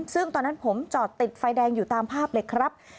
ซึ่งตอนนั้นผมจอดติดไฟแดงอยู่ตามภาพเลยครับ